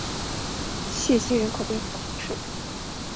谢西人口变化图示